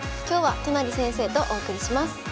今日は都成先生とお送りします。